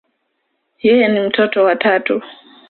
Yeye ni mtoto wa tatu.